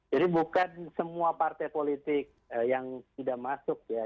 jadi bukan semua partai politik yang tidak masuk ya